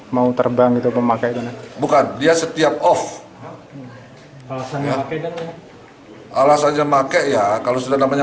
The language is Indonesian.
mau terbang itu memakai bukan dia setiap off alasannya alasannya pakai ya kalau sudah namanya